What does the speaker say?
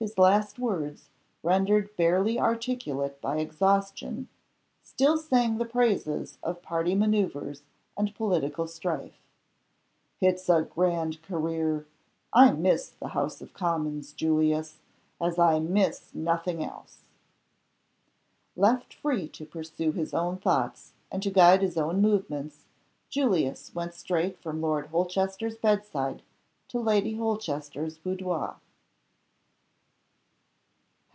His last words, rendered barely articulate by exhaustion, still sang the praises of party manoeuvres and political strife. "It's a grand career! I miss the House of Commons, Julius, as I miss nothing else!" Left free to pursue his own thoughts, and to guide his own movements, Julius went straight from Lord Holchester's bedside to Lady Holchester's boudoir.